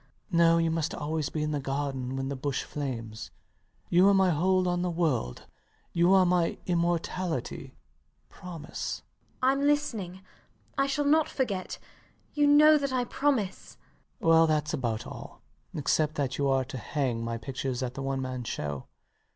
No: you must always be in the garden when the bush flames. You are my hold on the world: you are my immortality. Promise. MRS DUBEDAT. I'm listening. I shall not forget. You know that I promise. LOUIS. Well, thats about all; except that you are to hang my pictures at the one man show.